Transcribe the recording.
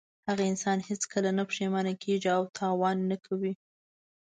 هغه انسان هېڅکله نه پښېمانه کیږي او تاوان نه کوي.